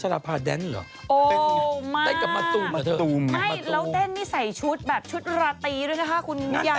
งานแต่งงานจิ๊กไงงานแต่งงานจิ๊กเต็มที่มากอ่ะ